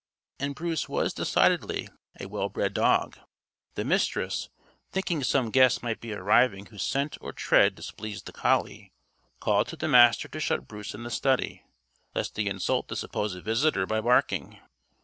And Bruce was decidedly a well bred dog. The Mistress, thinking some guest might be arriving whose scent or tread displeased the collie, called to the Master to shut Bruce in the study, lest he insult the supposed visitor by barking.